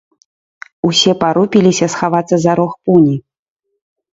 Усе парупіліся схавацца за рог пуні.